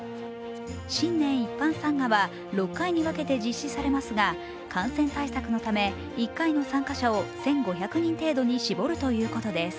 新年一般参賀は６回に分けて実施されますが感染対策のため、１回の参加者を１５００人程度に絞るということです。